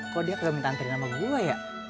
kok dia gak minta nantriin sama gue